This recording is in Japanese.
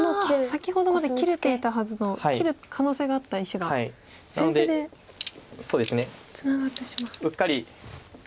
先ほどまで切れていたはずの切る可能性があった石が先手でツナがってしまう。